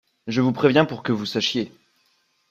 Je vous préviens pour que vous sachiez.